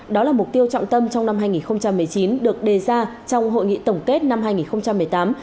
đó là mục tiêu trọng tâm trong năm hai nghìn một mươi chín được đề ra trong hội nghị tổng kết năm hai nghìn một mươi tám